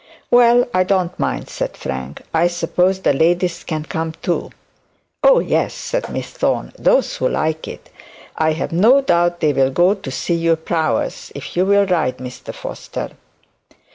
'Well, I don't mind,' said Frank; 'I suppose the ladies can come too.' 'Oh, yes,' said Miss Thorne; 'those who like it; I have no doubt they'll go to see your prowess, if you'll ride, Mr Foster.'